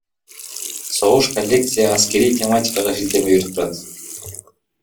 Согуш Коллекция аскерий тематикага шилтеме берип турат.